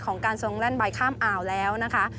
การทรงแล่นใบข้ามอ่าวแล้วนะคะ